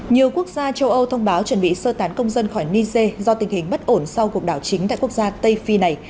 nhiều quốc gia châu âu thông báo chuẩn bị sơ tán công dân khỏi niger do tình hình bất ổn sau cuộc đảo chính tại quốc gia tây phi này